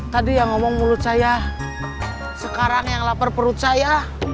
tadi yang ngomong mulut saya sekarang yang lapar perut saya